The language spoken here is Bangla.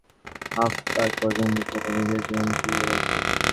হাফ একর জমির জন্য নিজের জীবন খুইয়ে বসবি।